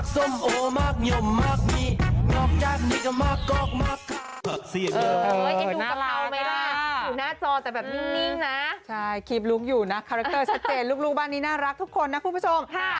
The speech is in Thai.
สวัสดีค่ะ